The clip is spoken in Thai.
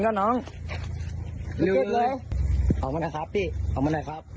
ยังเอามานะครับพี่เอามาหน่อยครับ